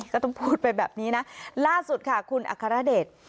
ก็ต้องพูดไปแบบนี้นะล่าสุดค่ะคุณอัครเดช